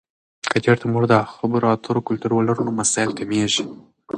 که چیرته موږ د خبرو اترو کلتور ولرو، نو مسایل کمېږي.